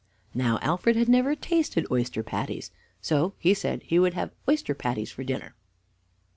Now Alfred had never tasted oyster patties, so he said he would have oyster patties for dinner.